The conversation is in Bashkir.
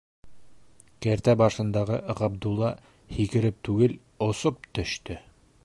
Кәртә башындағы Ғабдулла һикереп түгел, осоп төштө.